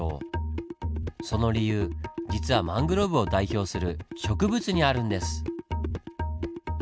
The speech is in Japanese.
その理由実はマングローブを代表する植物にあるんです。